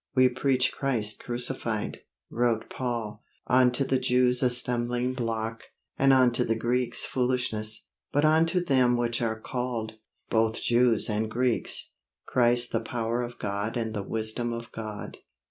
'We preach Christ crucified,' wrote Paul, 'unto the Jews a stumbling block, and unto the Greeks foolishness, but unto them which are called, both Jews and Greeks, Christ the power of God and the wisdom of God.'